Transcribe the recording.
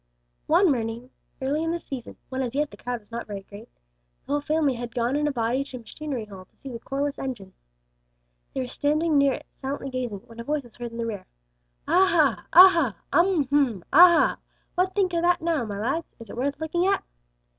One morning, early in the season, when as yet the crowd was not very great, the whole family had gone in a body to Machinery Hall to see the Corliss engine. They were standing near it, silently gazing, when a voice was heard in the rear. "Ah, ha! ah, ha! um h'm; ah, ha! what think ye o' that now, my lads? is it worth looking at?"